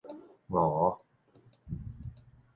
鼇